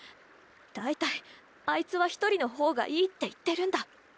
大体あいつは一人の方がいいって言ってるんだ。